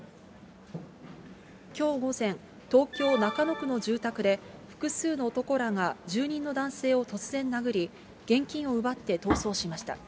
きょう午前、東京・中野区の住宅で、複数の男らが住人の男性を突然殴り、現金を奪って逃走しました。